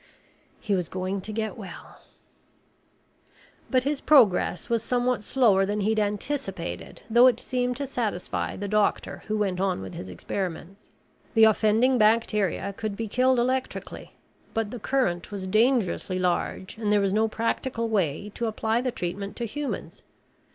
He was going to get well. But his progress was somewhat slower than he'd anticipated though it seemed to satisfy the doctor who went on with his experiments. The offending bacteria could be killed electrically. But the current was dangerously large and there was no practical way to apply the treatment to humans.